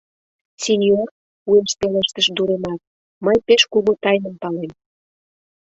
— Синьор, — уэш пелештыш Дуремар, — мый пеш кугу тайным палем.